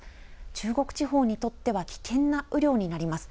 中国地方にとっては危険な雨量になります。